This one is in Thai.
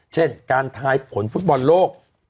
เช่นการทายผลฟุตบอลโลก